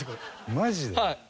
マジで？